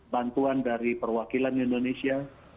bantuan dari perwakilan indonesia